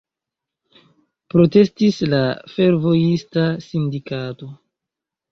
Protestis la fervojista sindikato.